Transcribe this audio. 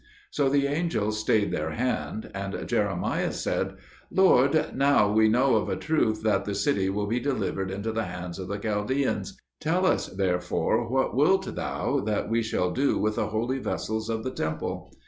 So the angels stayed their hand; and Jeremiah said, "Lord, now we know of a truth that the city will be delivered into the hands of the Chaldeans; tell us, therefore, what wilt Thou that we shall do with the holy vessels of the temple?"